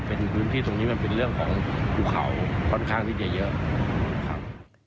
เป็นพื้นที่ตรงนี้มันเป็นเรื่องของภูเขาค่อนข้างที่จะเยอะครับ